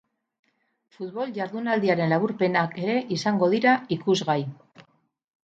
Futbol jardunaldiaren laburpenak ere izango dira ikusgai.